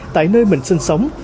tại nơi mình sinh sống